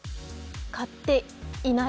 買っていない？